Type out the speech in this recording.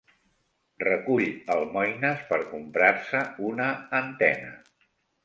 Recull almoines per comprar-se una antena.